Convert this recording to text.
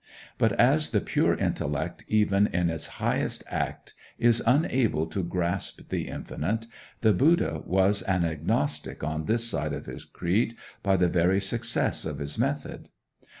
But as the pure intellect, even in its highest act, is unable to grasp the infinite, the Buddha was an agnostic on this side of his creed by the very success of his method.